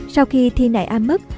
sau khi thi nại am mất